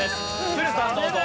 都留さんどうぞ。